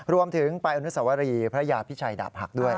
รวมถึงไปอนุสวรีพระยาพิชัยดาบหักด้วย